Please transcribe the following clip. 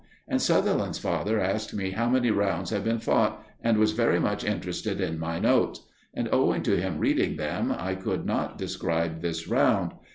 And Sutherland's father asked me how many rounds had been fought, and was very much interested in my notes. And, owing to him reading them, I could not describe this round.